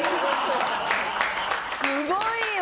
すごいわ！